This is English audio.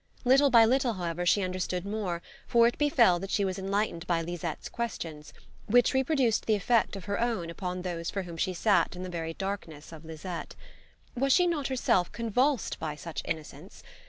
Little by little, however, she understood more, for it befell that she was enlightened by Lisette's questions, which reproduced the effect of her own upon those for whom she sat in the very darkness of Lisette. Was she not herself convulsed by such innocence?